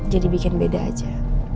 jadi bikin beda aja